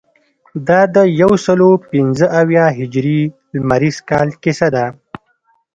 دا د یوسلو پنځه اویا هجري لمریز کال کیسه ده.